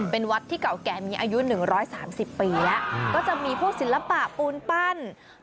เป็นวัดที่เก่าแก่มีอายุ๑๓๐ปีแล้วก็จะมีพวกศิลปะปูนปั้น